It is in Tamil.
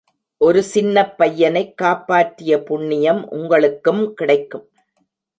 ஒரு சின்னப் பையனைக் காப்பாற்றிய புண்ணியம் உங்களுக்கும் கிடைக்கும்.